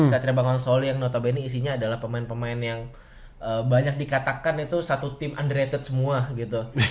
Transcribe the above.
satria bangun soli yang notabene isinya adalah pemain pemain yang banyak dikatakan itu satu tim underated semua gitu